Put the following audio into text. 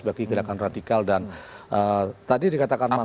bagi gerakan radikal dan tadi dikatakan mas